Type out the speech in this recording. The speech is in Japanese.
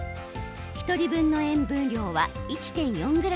１人分の塩分量は１．４ｇ。